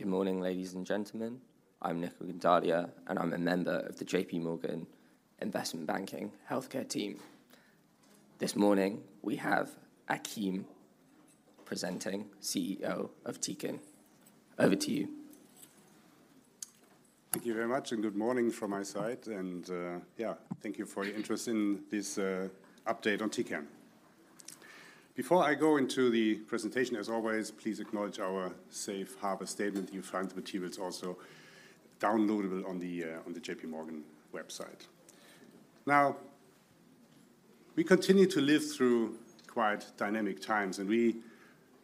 Good morning, ladies and gentlemen. I'm Nikhil Gondalia, and I'm a member of the J.P. Morgan Investment Banking Healthcare team. This morning, we have Achim presenting, CEO of Tecan. Over to you. Thank you very much, and good morning from my side, and yeah, thank you for your interest in this update on Tecan. Before I go into the presentation, as always, please acknowledge our safe harbor statement. You'll find the materials also downloadable on the J.P. Morgan website. Now, we continue to live through quite dynamic times, and we,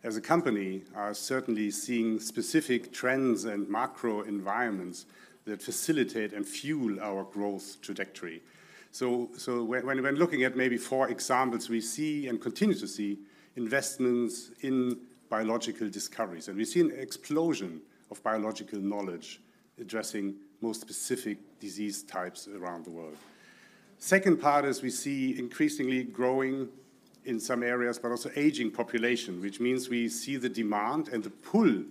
as a company, are certainly seeing specific trends and macro environments that facilitate and fuel our growth trajectory. So when looking at maybe four examples, we see and continue to see investments in biological discoveries, and we've seen an explosion of biological knowledge addressing more specific disease types around the world. Second part is we see increasingly growing in some areas, but also aging population, which means we see the demand and the pull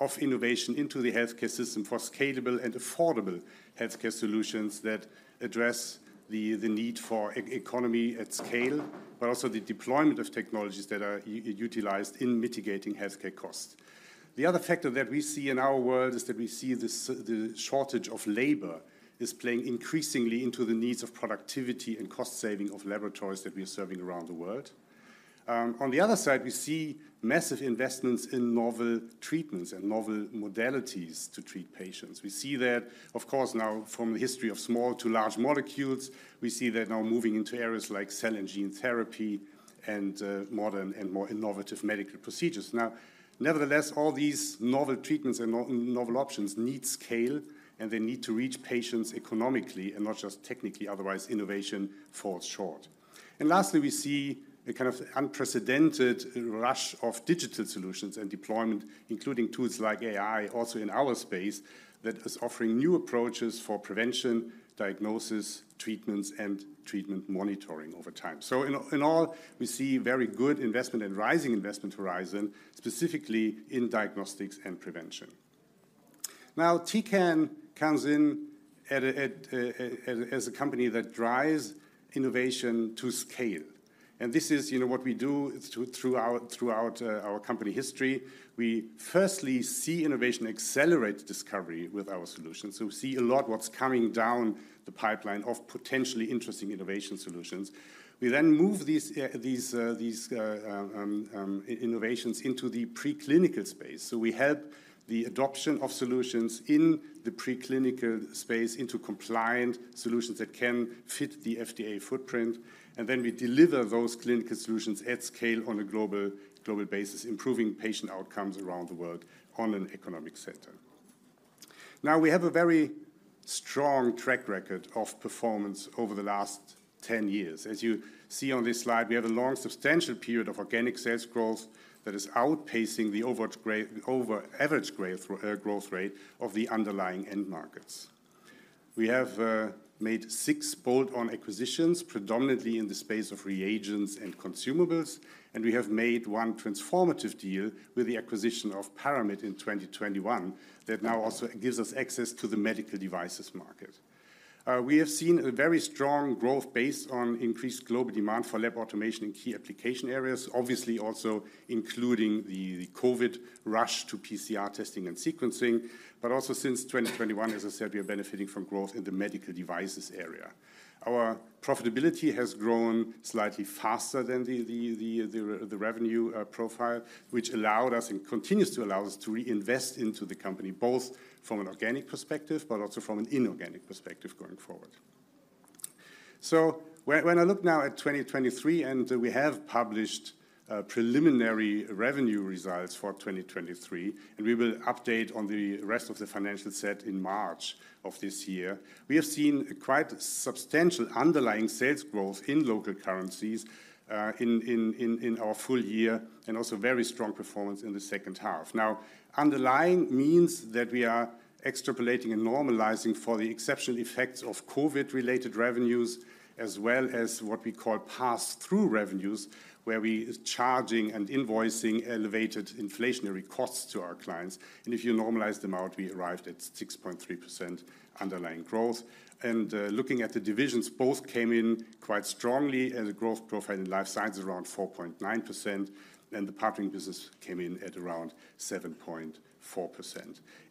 of innovation into the healthcare system for scalable and affordable healthcare solutions that address the need for economy at scale, but also the deployment of technologies that are utilized in mitigating healthcare costs. The other factor that we see in our world is that we see the shortage of labor is playing increasingly into the needs of productivity and cost saving of laboratories that we are serving around the world. On the other side, we see massive investments in novel treatments and novel modalities to treat patients. We see that, of course, now from the history of small to large molecules, we see that now moving into areas like cell and gene therapy and modern and more innovative medical procedures. Now, nevertheless, all these novel treatments and novel options need scale, and they need to reach patients economically and not just technically, otherwise, innovation falls short. And lastly, we see a kind of unprecedented rush of digital solutions and deployment, including tools like AI, also in our space, that is offering new approaches for prevention, diagnosis, treatments, and treatment monitoring over time. So in all, in all, we see very good investment and rising investment horizon, specifically in diagnostics and prevention. Now, Tecan comes in as a company that drives innovation to scale, and this is, you know, what we do throughout our company history. We firstly see innovation accelerate discovery with our solutions. So we see a lot what's coming down the pipeline of potentially interesting innovation solutions. We then move these innovations into the preclinical space. So we help the adoption of solutions in the preclinical space into compliant solutions that can fit the FDA footprint, and then we deliver those clinical solutions at scale on a global basis, improving patient outcomes around the world on an economic sector. Now, we have a very strong track record of performance over the last 10 years. As you see on this slide, we have a long, substantial period of organic sales growth that is outpacing the overall average growth rate of the underlying end markets. We have made six bolt-on acquisitions, predominantly in the space of reagents and consumables, and we have made one transformative deal with the acquisition of Paramit in 2021, that now also gives us access to the medical devices market. We have seen a very strong growth based on increased global demand for lab automation in key application areas, obviously also including the COVID rush to PCR testing and sequencing, but also since 2021, as I said, we are benefiting from growth in the medical devices area. Our profitability has grown slightly faster than the revenue profile, which allowed us and continues to allow us to reinvest into the company, both from an organic perspective, but also from an inorganic perspective going forward. So when I look now at 2023, and we have published preliminary revenue results for 2023, and we will update on the rest of the financials in March of this year, we have seen quite substantial underlying sales growth in local currencies in our full year, and also very strong performance in the second half. Now, underlying means that we are extrapolating and normalizing for the exceptional effects of COVID-related revenues, as well as what we call pass-through revenues, where we are charging and invoicing elevated inflationary costs to our clients. And if you normalize them out, we arrived at 6.3% underlying growth. And looking at the divisions, both came in quite strongly, and the growth profile in Life Sciences around 4.9%, and the Partnering Business came in at around 7.4%.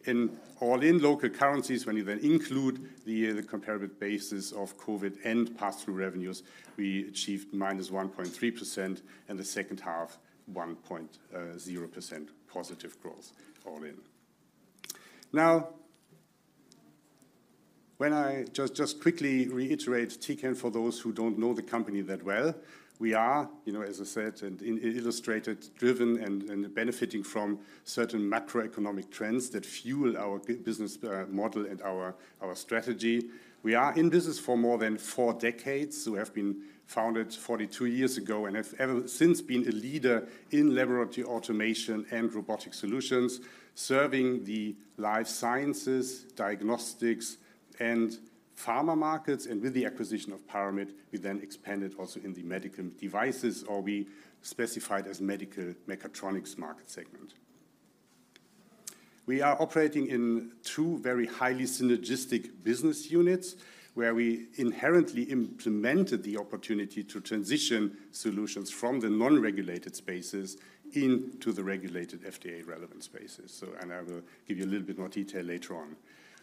In all, in local currencies, when you then include the comparative basis of COVID and pass-through revenues, we achieved minus 1.3%, and the second half 1.0% positive growth all in. Now, when I just quickly reiterate, Tecan, for those who don't know the company that well, we are, you know, as I said, and well-illustrated, driven and benefiting from certain macroeconomic trends that fuel our business model and our strategy. We are in business for more than four decades. We have been founded 42 years ago and have ever since been a leader in laboratory automation and robotic solutions, serving the life sciences, diagnostics, and pharma markets, and with the acquisition of Paramit, we then expanded also in the medical devices, or we specified as medical mechatronics market segment. We are operating in two very highly synergistic business units, where we inherently implemented the opportunity to transition solutions from the non-regulated spaces into the regulated FDA-relevant spaces. And I will give you a little bit more detail later on.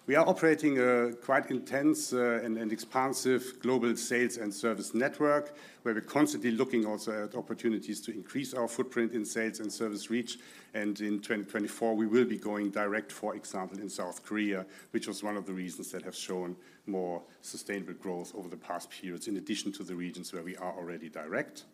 We are operating a quite intense and expansive global sales and service network, where we're constantly looking also at opportunities to increase our footprint in sales and service reach. And in 2024, we will be going direct, for example, in South Korea, which was one of the reasons that have shown more sustainable growth over the past periods, in addition to the regions where we are already direct.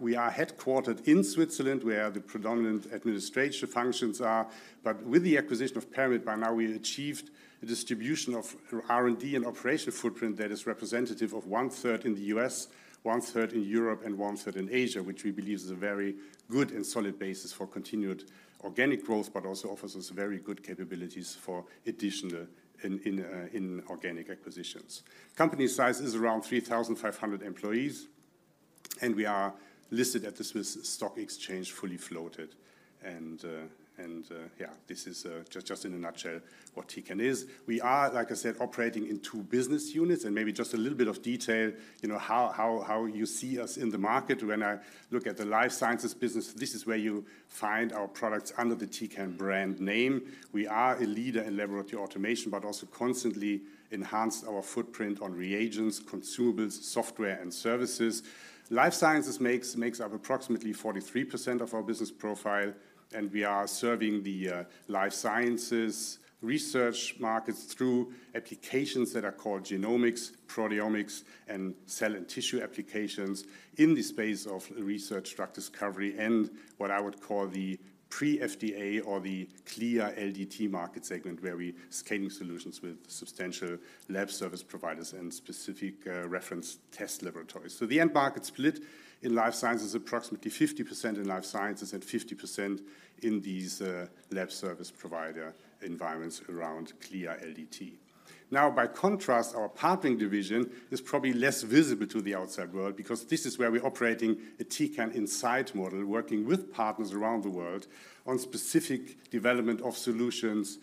We are headquartered in Switzerland, where the predominant administrative functions are. But with the acquisition of Paramit, by now we achieved a distribution of R&D and operational footprint that is representative of one-third in the U.S., one-third in Europe, and one-third in Asia, which we believe is a very good and solid basis for continued organic growth, but also offers us very good capabilities for additional inorganic acquisitions. Company size is around 3,500 employees, and we are listed at the Swiss Stock Exchange, fully floated. And yeah, this is just in a nutshell, what Tecan is. We are, like I said, operating in two business units, and maybe just a little bit of detail, you know, how you see us in the market. When I look at the life sciences business, this is where you find our products under the Tecan brand name. We are a leader in laboratory automation, but also constantly enhance our footprint on reagents, consumables, software, and services. Life sciences makes up approximately 43% of our business profile, and we are serving the life sciences research markets through applications that are called genomics, proteomics, and cell and tissue applications in the space of research, drug discovery, and what I would call the pre-FDA or the CLIA LDT market segment, where we're scaling solutions with substantial lab service providers and specific reference test laboratories. So the end market split in life science is approximately 50% in life sciences and 50% in these lab service provider environments around CLIA LDT. Now, by contrast, our partnering division is probably less visible to the outside world because this is where we're operating a Tecan Inside model, working with partners around the world on specific development of solutions,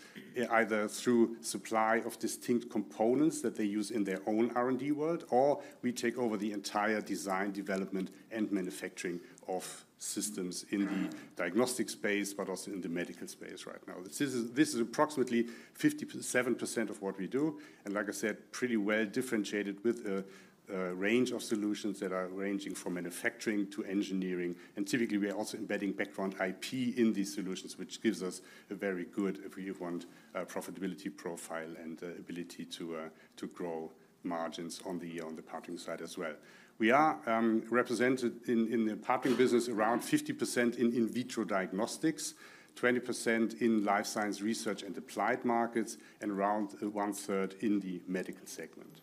either through supply of distinct components that they use in their own R&D world, or we take over the entire design, development, and manufacturing of systems in the diagnostic space, but also in the medical space right now. This is approximately 57% of what we do, and like I said, pretty well differentiated with a range of solutions that are ranging from manufacturing to engineering. And typically, we are also embedding background IP in these solutions, which gives us a very good, if you want, profitability profile and the ability to grow margins on the partnering side as well. We are represented in the partnering business around 50% in in vitro diagnostics, 20% in life science research and applied markets, and around one-third in the medical segment.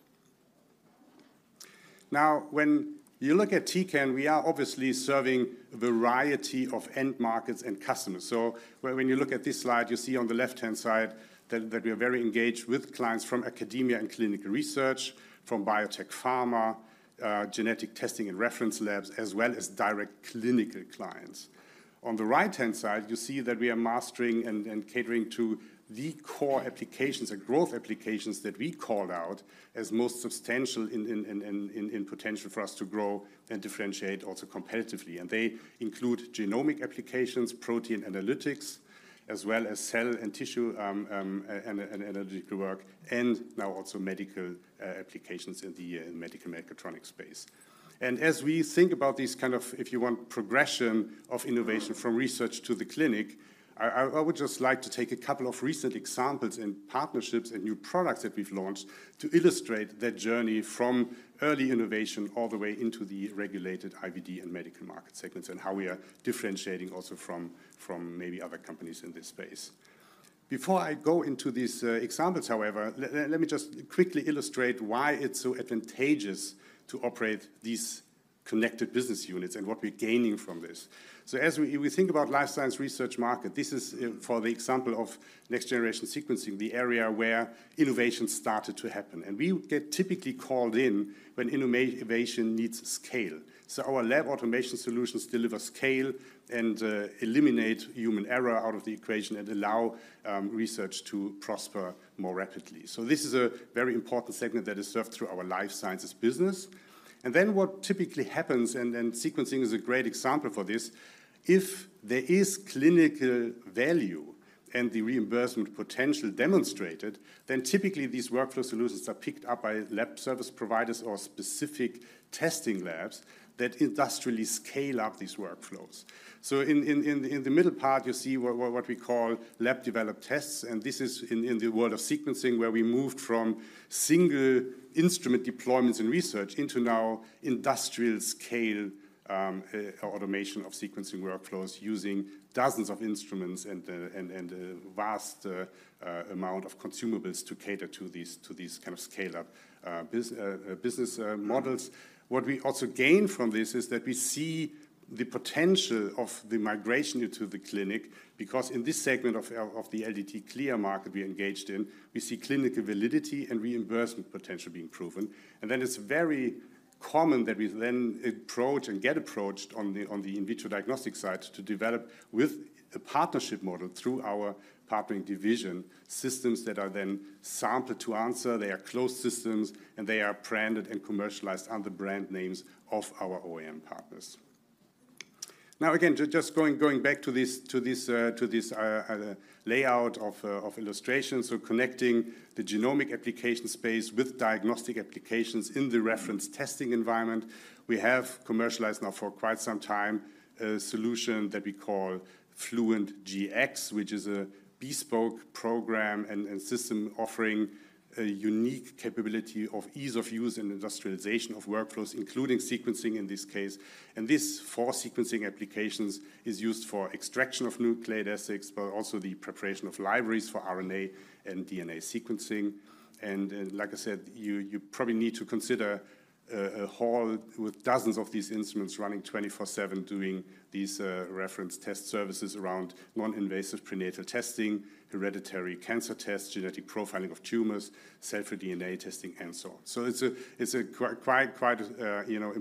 Now, when you look at Tecan, we are obviously serving a variety of end markets and customers. So when you look at this slide, you see on the left-hand side that we are very engaged with clients from academia and clinical research, from biotech pharma, genetic testing and reference labs, as well as direct clinical clients. On the right-hand side, you see that we are mastering and catering to the core applications and growth applications that we call out as most substantial in potential for us to grow and differentiate also competitively. They include genomic applications, protein analytics, as well as cell and tissue and analytical work, and now also medical applications in the medical mechatronics space. As we think about these kind of, if you want, progression of innovation from research to the clinic, I would just like to take a couple of recent examples in partnerships and new products that we've launched to illustrate that journey from early innovation all the way into the regulated IVD and medical market segments, and how we are differentiating also from maybe other companies in this space. Before I go into these examples, however, let me just quickly illustrate why it's so advantageous to operate these connected business units and what we're gaining from this. So as we think about life sciences research market, this is, for the example of next-generation sequencing, the area where innovation started to happen. And we get typically called in when innovation needs scale. So our lab automation solutions deliver scale and, eliminate human error out of the equation and allow, research to prosper more rapidly. So this is a very important segment that is served through our life sciences business. And then what typically happens, and sequencing is a great example for this, if there is clinical value and the reimbursement potential demonstrated, then typically these workflow solutions are picked up by lab service providers or specific testing labs that industrially scale up these workflows. So in the middle part, you see what we call lab-developed tests, and this is in the world of sequencing, where we moved from single instrument deployments and research into now industrial-scale automation of sequencing workflows using dozens of instruments and vast amount of consumables to cater to these kind of scale-up business models. What we also gain from this is that we see the potential of the migration into the clinic, because in this segment of the LDT CLIA market we engaged in, we see clinical validity and reimbursement potential being proven. And then it's very-... common that we then approach and get approached on the in vitro diagnostic side to develop with a partnership model through our partnering division, systems that are then sample-to-answer. They are closed systems, and they are branded and commercialized under brand names of our OEM partners. Now, again, just going back to this layout of illustrations, so connecting the genomics application space with diagnostic applications in the reference testing environment, we have commercialized now for quite some time a solution that we call Fluent GX, which is a bespoke program and system offering a unique capability of ease of use and industrialization of workflows, including sequencing in this case. And this for sequencing applications is used for extraction of nucleic acids, but also the preparation of libraries for RNA and DNA sequencing. Like I said, you probably need to consider a hall with dozens of these instruments running 24/7, doing these reference test services around non-invasive prenatal testing, hereditary cancer tests, genetic profiling of tumors, cell-free DNA testing, and so on. So it's a quite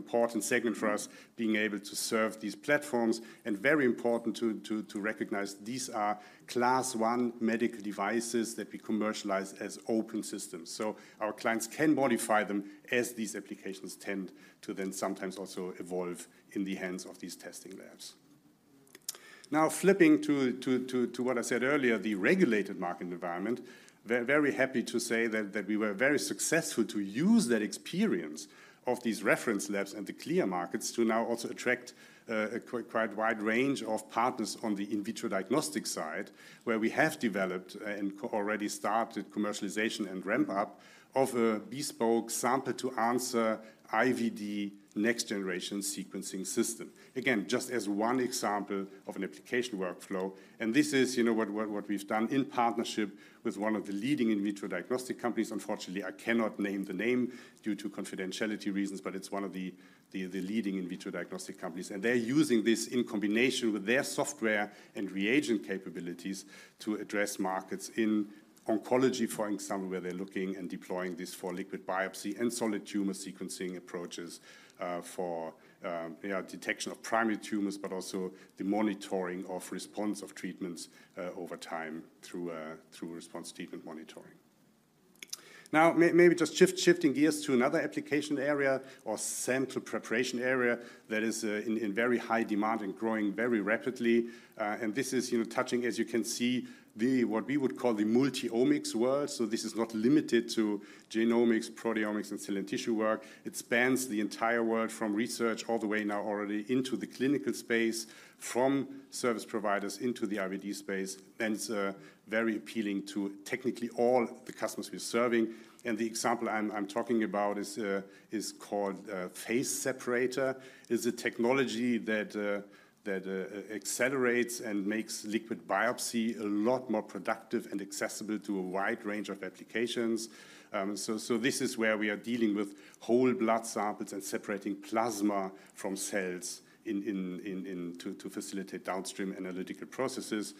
important segment for us being able to serve these platforms, and very important to recognize these are Class 1 medical devices that we commercialize as open systems. So our clients can modify them as these applications tend to then sometimes also evolve in the hands of these testing labs. Now, flipping to what I said earlier, the regulated market environment, we're very happy to say that we were very successful to use that experience of these reference labs and the clear markets to now also attract quite a wide range of partners on the in vitro diagnostic side, where we have developed and already started commercialization and ramp up of a bespoke sample-to-answer IVD next-generation sequencing system. Again, just as one example of an application workflow, and this is, you know, what we've done in partnership with one of the leading in vitro diagnostic companies. Unfortunately, I cannot name the name due to confidentiality reasons, but it's one of the leading in vitro diagnostic companies. They're using this in combination with their software and reagent capabilities to address markets in oncology, for example, where they're looking and deploying this for liquid biopsy and solid tumor sequencing approaches, for you know, detection of primary tumors, but also the monitoring of response of treatments over time through response treatment monitoring. Now, maybe just shifting gears to another application area or sample preparation area that is in very high demand and growing very rapidly. And this is, you know, touching, as you can see, the what we would call the multi-omics world. So this is not limited to genomics, proteomics, and cell and tissue work. It spans the entire world from research all the way now already into the clinical space, from service providers into the IVD space, and it's very appealing to technically all the customers we're serving. The example I'm talking about is called Phase Separator, a technology that accelerates and makes liquid biopsy a lot more productive and accessible to a wide range of applications. So this is where we are dealing with whole blood samples and separating plasma from cells to facilitate downstream analytical processes.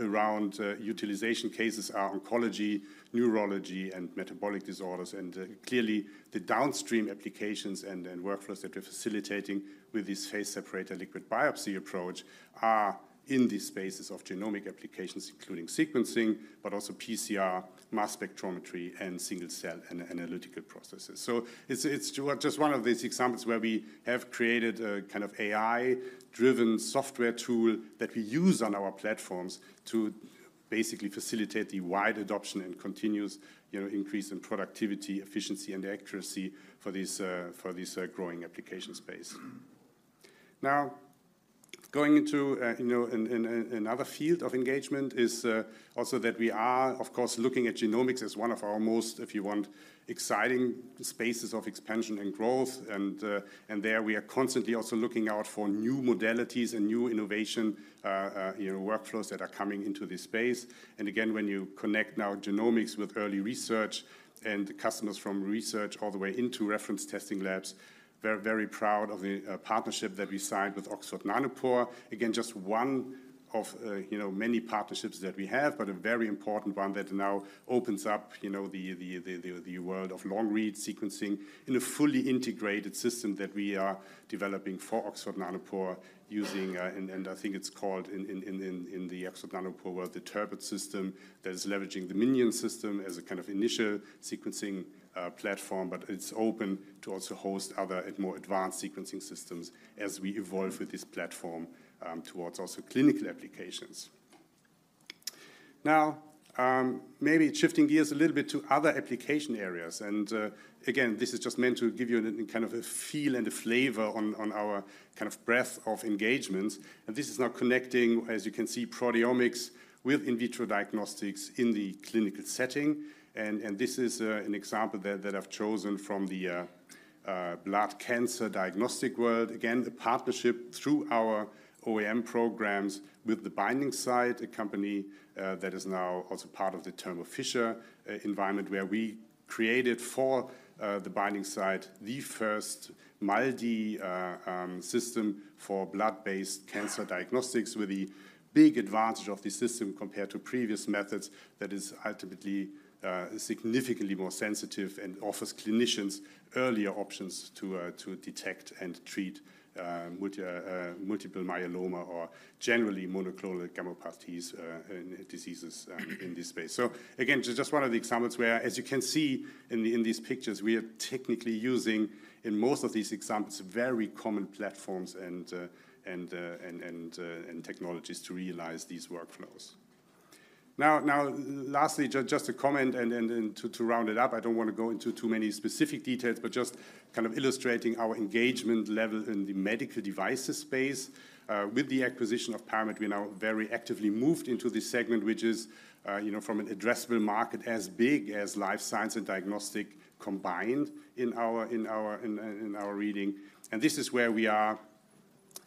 Around utilization cases are oncology, neurology, and metabolic disorders, and clearly, the downstream applications and workflows that we're facilitating with this Phase Separator liquid biopsy approach are in these spaces of genomic applications, including sequencing, but also PCR, mass spectrometry, and single-cell analytical processes. So it's just one of these examples where we have created a kind of AI-driven software tool that we use on our platforms to basically facilitate the wide adoption and continuous, you know, increase in productivity, efficiency, and accuracy for this growing application space. Now, going into, you know, in, another field of engagement is also that we are, of course, looking at genomics as one of our most, if you want, exciting spaces of expansion and growth, and there we are constantly also looking out for new modalities and new innovation, you know, workflows that are coming into this space. And again, when you connect now genomics with early research and customers from research all the way into reference testing labs, we're very proud of the partnership that we signed with Oxford Nanopore. Again, just one of, you know, many partnerships that we have, but a very important one that now opens up, you know, the world of long-read sequencing in a fully integrated system that we are developing for Oxford Nanopore using, and I think it's called in the Oxford Nanopore world, the Turbid system, that is leveraging the MinION system as a kind of initial sequencing platform, but it's open to also host other and more advanced sequencing systems as we evolve with this platform towards also clinical applications. Now, maybe shifting gears a little bit to other application areas, and again, this is just meant to give you a kind of a feel and a flavor on our kind of breadth of engagement. And this is now connecting, as you can see, proteomics with in vitro diagnostics in the clinical setting, and this is an example that I've chosen from the blood cancer diagnostic world. Again, the partnership through our OEM programs with The Binding Site, a company that is now also part of the Thermo Fisher environment, where we created for The Binding Site the first MALDI system for blood-based cancer diagnostics, with the big advantage of the system compared to previous methods that is ultimately significantly more sensitive and offers clinicians earlier options to detect and treat multiple myeloma or generally monoclonal gammopathies and diseases in this space. So again, just one of the examples where, as you can see in these pictures, we are technically using, in most of these examples, very common platforms and technologies to realize these workflows. Now, lastly, just a comment and to round it up, I don't want to go into too many specific details, but just kind of illustrating our engagement level in the medical devices space. With the acquisition of Paramit, we now very actively moved into this segment, which is, you know, from an addressable market as big as life science and diagnostic combined in our reading. This is where we are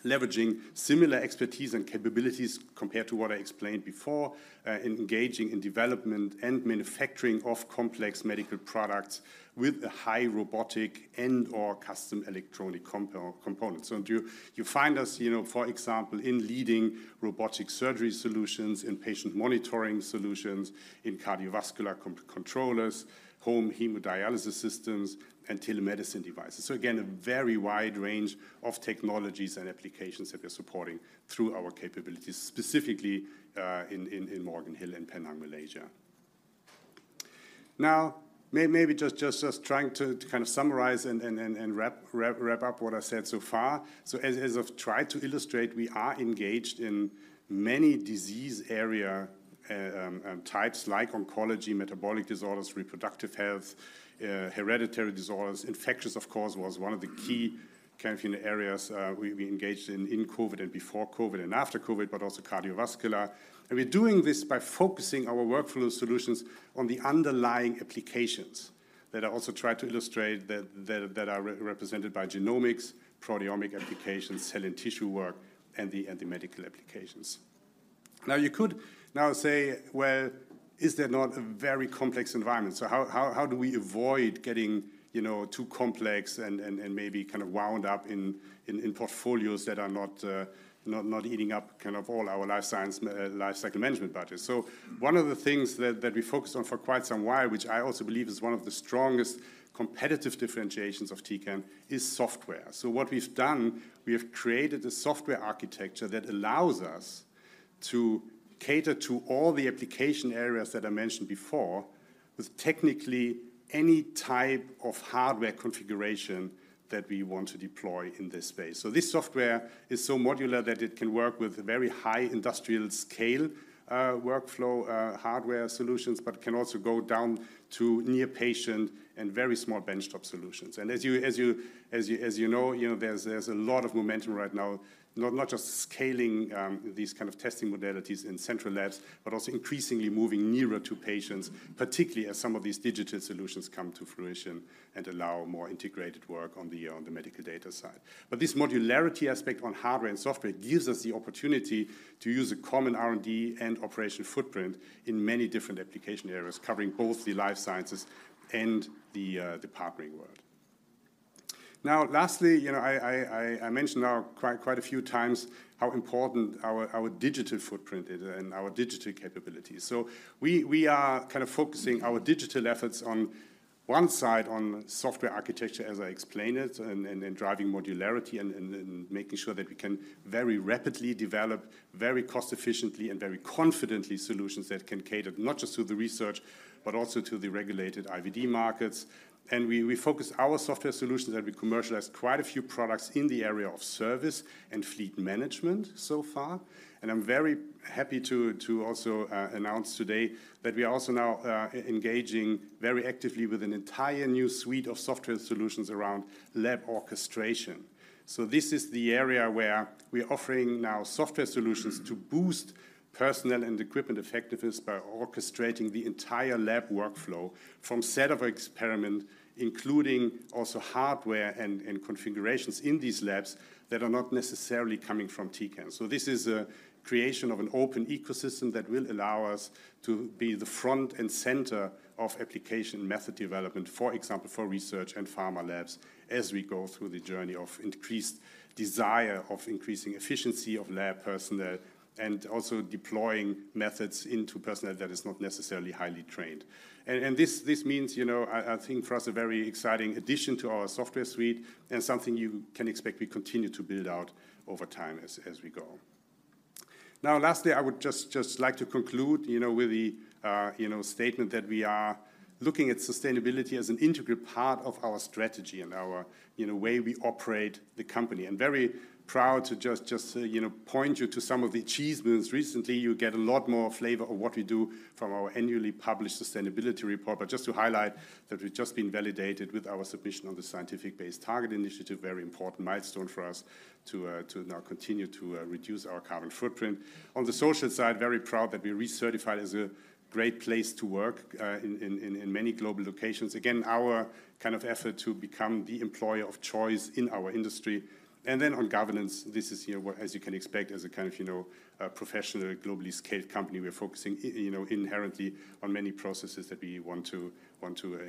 leveraging similar expertise and capabilities compared to what I explained before, in engaging in development and manufacturing of complex medical products with a high robotic and/or custom electronic components. You find us, you know, for example, in leading robotic surgery solutions, in patient monitoring solutions, in cardiovascular controllers, home hemodialysis systems, and telemedicine devices. So again, a very wide range of technologies and applications that we're supporting through our capabilities, specifically, in Morgan Hill and Penang, Malaysia. Now, maybe just trying to kind of summarize and wrap up what I said so far. So as I've tried to illustrate, we are engaged in many disease area types like oncology, metabolic disorders, reproductive health, hereditary disorders. Infectious, of course, was one of the key kind of areas, we engaged in, in COVID and before COVID and after COVID, but also cardiovascular. We're doing this by focusing our workflow solutions on the underlying applications that I also tried to illustrate, that are represented by genomics, proteomic applications, cell and tissue work, and the anti-medical applications. Now, you could now say, well, is there not a very complex environment? So how do we avoid getting, you know, too complex and maybe kind of wound up in portfolios that are not eating up kind of all our life science lifecycle management budgets? So one of the things that we focused on for quite some while, which I also believe is one of the strongest competitive differentiations of Tecan, is software. So what we've done, we have created a software architecture that allows us to cater to all the application areas that I mentioned before, with technically any type of hardware configuration that we want to deploy in this space. So this software is so modular that it can work with very high industrial scale workflow hardware solutions, but can also go down to near patient and very small benchtop solutions. And as you know, you know, there's a lot of momentum right now, not just scaling these kind of testing modalities in central labs, but also increasingly moving nearer to patients, particularly as some of these digital solutions come to fruition and allow more integrated work on the medical data side. But this modularity aspect on hardware and software gives us the opportunity to use a common R&D and operational footprint in many different application areas, covering both the life sciences and the partnering world. Now, lastly, you know, I mentioned quite a few times how important our digital footprint is and our digital capabilities. So we are kind of focusing our digital efforts on one side, on software architecture, as I explained it, and driving modularity and making sure that we can very rapidly develop, very cost efficiently and very confidently, solutions that can cater not just to the research, but also to the regulated IVD markets. And we focus our software solutions, and we commercialize quite a few products in the area of service and fleet management so far. I'm very happy to also announce today that we are also now engaging very actively with an entire new suite of software solutions around lab orchestration. So this is the area where we're offering now software solutions to boost personnel and equipment effectiveness by orchestrating the entire lab workflow from set of experiment, including also hardware and configurations in these labs that are not necessarily coming from Tecan. So this is a creation of an open ecosystem that will allow us to be the front and center of application method development, for example, for research and pharma labs, as we go through the journey of increased desire of increasing efficiency of lab personnel, and also deploying methods into personnel that is not necessarily highly trained. This means, you know, I think for us, a very exciting addition to our software suite and something you can expect we continue to build out over time as we go. Now, lastly, I would just like to conclude, you know, with the, you know, statement that we are looking at sustainability as an integral part of our strategy and our, you know, way we operate the company. I'm very proud to just, you know, point you to some of the achievements. Recently, you get a lot more flavor of what we do from our annually published sustainability report. But just to highlight that we've just been validated with our submission on the Science Based Targets initiative, very important milestone for us to now continue to reduce our carbon footprint. On the social side, very proud that we recertified as a great place to work in many global locations. Again, our kind of effort to become the employer of choice in our industry. And then on governance, this is, you know, as you can expect, as a kind of, you know, a professional, globally scaled company, we're focusing you know, inherently on many processes that we want to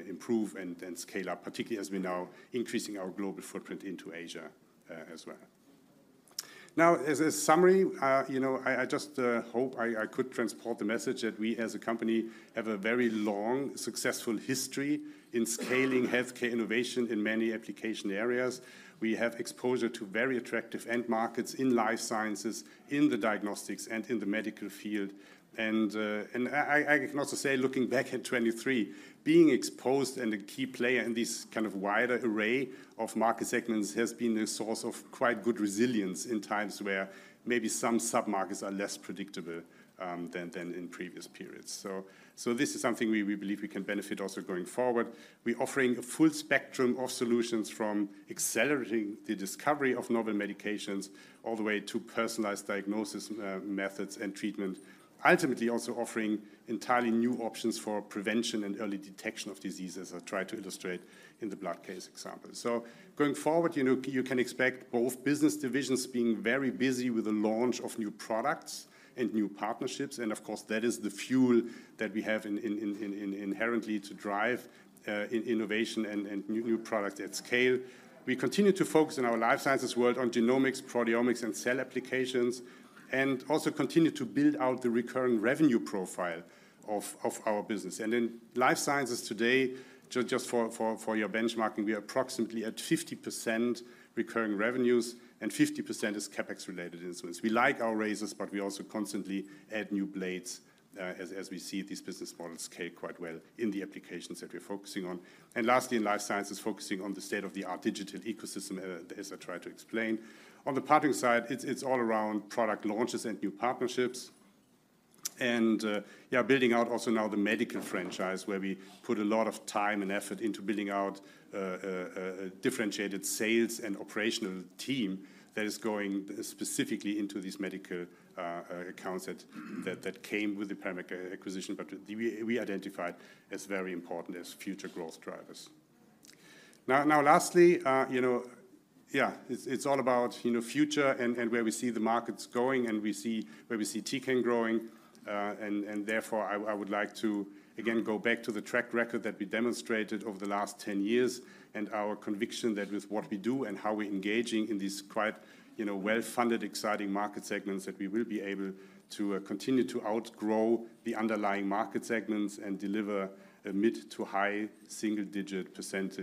improve and scale up, particularly as we're now increasing our global footprint into Asia, as well. Now, as a summary, you know, I just hope I could transport the message that we, as a company, have a very long, successful history in scaling healthcare innovation in many application areas. We have exposure to very attractive end markets in life sciences, in the diagnostics, and in the medical field. And I can also say, looking back at 2023, being exposed and a key player in this kind of wider array of market segments has been a source of quite good resilience in times where maybe some sub-markets are less predictable than in previous periods. So this is something we believe we can benefit also going forward. We're offering a full spectrum of solutions, from accelerating the discovery of novel medications all the way to personalized diagnosis methods and treatment. Ultimately, also offering entirely new options for prevention and early detection of diseases, as I tried to illustrate in theblood case example. So going forward, you know, you can expect both business divisions being very busy with the launch of new products and new partnerships, and of course, that is the fuel that we have inherently to drive innovation and new products at scale. We continue to focus in our life sciences world on genomics, proteomics, and cell applications, and also continue to build out the recurring revenue profile of our business. In life sciences today, just for your benchmarking, we are approximately at 50% recurring revenues and 50% is CapEx-related instruments. We like our razors, but we also constantly add new blades, as we see these business models scale quite well in the applications that we're focusing on. Lastly, in life sciences, focusing on the state-of-the-art digital ecosystem, as I tried to explain. On the partnering side, it's all around product launches and new partnerships. Yeah, building out also now the medical franchise, where we put a lot of time and effort into building out a differentiated sales and operational team that is going specifically into these medical accounts that came with the Paramit acquisition, but we identified as very important as future growth drivers. Lastly, you know... Yeah, it's all about, you know, future and where we see the markets going, and we see where we see Tecan growing. and therefore, I would like to, again, go back to the track record that we demonstrated over the last 10 years and our conviction that with what we do and how we're engaging in these quite, you know, well-funded, exciting market segments, that we will be able to continue to outgrow the underlying market segments and deliver a mid- to high single-digit percent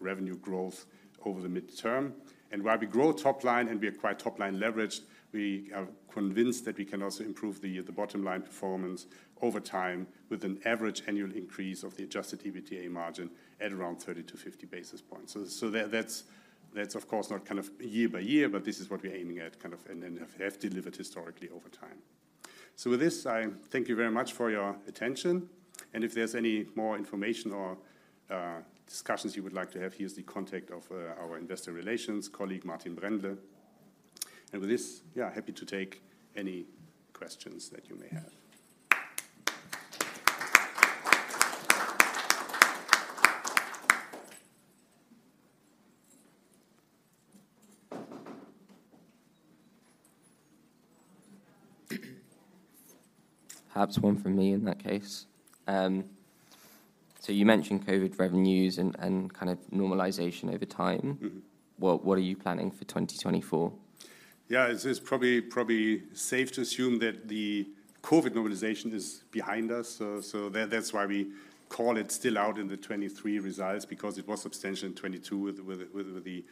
revenue growth over the midterm. And while we grow top line and we acquire top-line leverage, we are convinced that we can also improve the bottom line performance over time, with an average annual increase of the Adjusted EBITDA margin at around 30-50 basis points. So that's, of course, not kind of year by year, but this is what we're aiming at, kind of, and then have delivered historically over time. So with this, I thank you very much for your attention, and if there's any more information or discussions you would like to have, here's the contact of our investor relations colleague, Martin Brändle. With this, yeah, happy to take any questions that you may have. Perhaps one from me in that case. So you mentioned COVID revenues and kind of normalization over time. Mm-hmm. What, what are you planning for 2024? Yeah, it is probably safe to assume that the COVID normalization is behind us. So that's why we call it still out in the 2023 results, because it was substantial in 2022 with the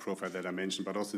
profile that I mentioned, but also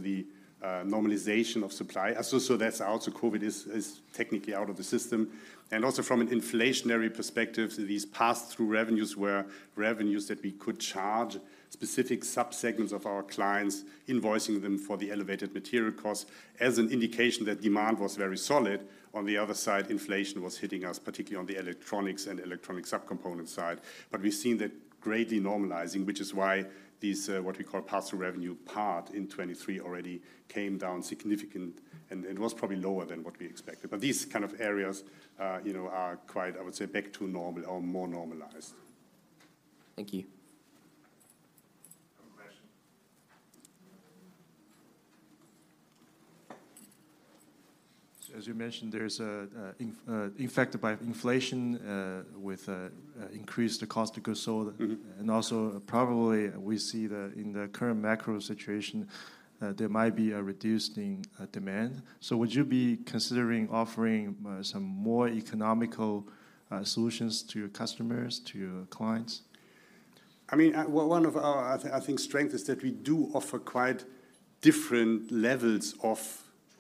the normalization of supply. So that's out, so COVID is technically out of the system. And also from an inflationary perspective, these pass-through revenues were revenues that we could charge specific sub-segments of our clients, invoicing them for the elevated material costs, as an indication that demand was very solid. On the other side, inflation was hitting us, particularly on the electronics and electronic sub-component side. But we've seen that greatly normalizing, which is why these what we call pass-through revenue part in 2023 already came down significant, and it was probably lower than what we expected. These kind of areas, you know, are quite, I would say, back to normal or more normalized. Thank you. I have a question. So as you mentioned, there's a impacted by inflation, with increased cost of goods sold- Mm-hmm... and also probably we see that in the current macro situation, there might be a reduced in demand. So would you be considering offering some more economical solutions to your customers, to your clients? I mean, well, one of our, I think, strength is that we do offer quite different levels of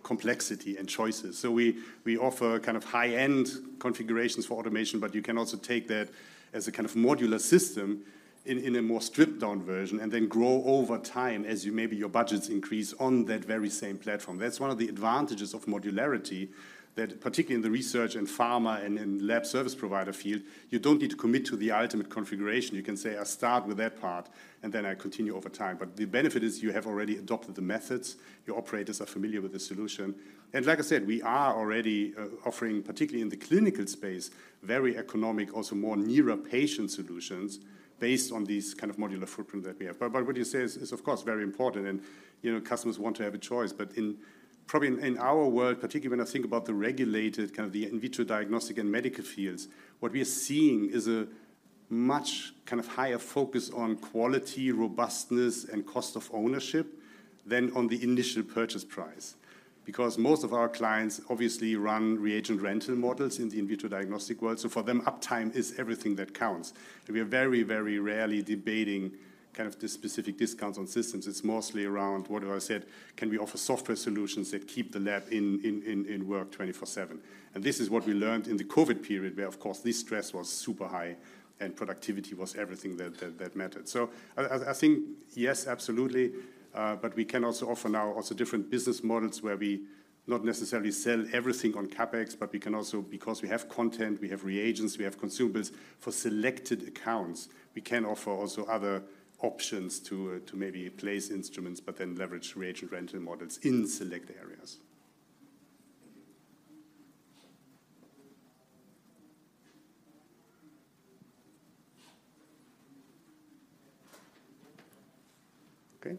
complexity and choices. So we offer kind of high-end configurations for automation, but you can also take that as a kind of modular system in a more stripped-down version, and then grow over time as you maybe your budgets increase on that very same platform. That's one of the advantages of modularity, that particularly in the research and pharma and in lab service provider field, you don't need to commit to the ultimate configuration. You can say, "I'll start with that part, and then I continue over time." But the benefit is you have already adopted the methods, your operators are familiar with the solution. Like I said, we are already offering, particularly in the clinical space, very economic, also more near-patient solutions based on these kind of modular footprint that we have. But what you say is of course, very important and, you know, customers want to have a choice. But in probably in our world, particularly when I think about the regulated, kind of the in vitro diagnostic and medical fields, what we are seeing is a much kind of higher focus on quality, robustness, and cost of ownership than on the initial purchase price. Because most of our clients obviously run reagent rental models in the in vitro diagnostic world, so for them, uptime is everything that counts. We are very, very rarely debating kind of the specific discounts on systems. It's mostly around what I said, can we offer software solutions that keep the lab in work 24/7? And this is what we learned in the COVID period, where, of course, this stress was super high and productivity was everything that mattered. So I think, yes, absolutely, but we can also offer now also different business models where we not necessarily sell everything on CapEx, but we can also... Because we have content, we have reagents, we have consumables, for selected accounts, we can offer also other options to maybe place instruments but then leverage reagent rental models in select areas. Okay.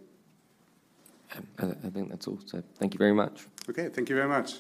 I think that's all. So thank you very much. Okay, thank you very much.